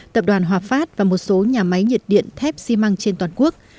tập đoàn hòa phát và một số nhà máy nhiệt điện thép xi măng trên toàn quốc